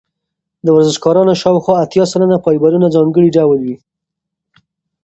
د ورزشکارانو شاوخوا اتیا سلنه فایبرونه ځانګړي ډول وي.